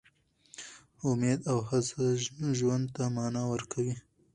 امید او هڅه ژوند ته مانا ورکوي.